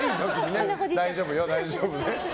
大丈夫よ、大丈夫ね。